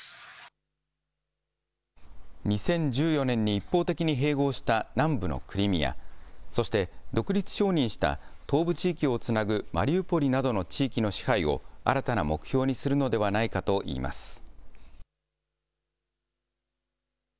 ２０１４年に一方的に併合した南部のクリミア、そして独立承認した東部地域をつなぐマリウポリなどの地域の支配を新たな目標にするのではないかといいます。